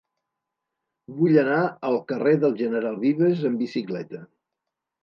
Vull anar al carrer del General Vives amb bicicleta.